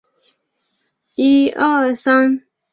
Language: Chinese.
两侧有四面国旗装饰。